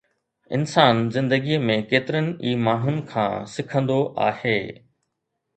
انسان زندگيءَ ۾ ڪيترن ئي ماڻهن کان سکندو آهي